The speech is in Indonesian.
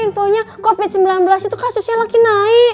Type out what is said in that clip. infonya covid sembilan belas itu kasusnya lagi naik